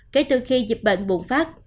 kể từ khi dịch bệnh bùng phát